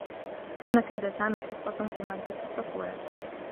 كانت لدى سامي حصّة في مادّة التّصوير.